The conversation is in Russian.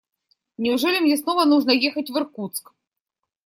Неужели мне снова нужно ехать в Иркутск?